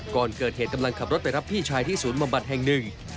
ก่อนเกิดเหตุกำลังขับรถไปรับพี่ชายที่ศูนย์บำบัดแห่งหนึ่ง